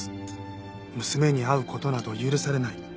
娘に会う事など許されない。